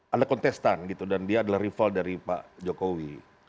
anda kontestan gitu dan dia adalah rival dari pak jokowi